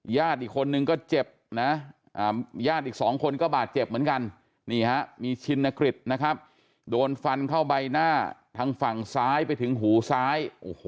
ญาติอีกคนนึงก็เจ็บนะญาติอีก๒คนก็บาดเจ็บเหมือนกันนี่ฮะมีชินกฤษนะครับโดนฟันเข้าใบหน้าทางฝั่งซ้ายไปถึงหูซ้าย